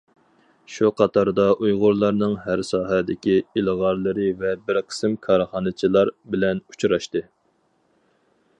شۇ قاتاردا ئۇيغۇرلارنىڭ ھەر ساھەدىكى ئىلغارلىرى ۋە بىر قىسىم كارخانىچىلار بىلەن ئۇچراشتى.